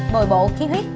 bồi bộ khí huyết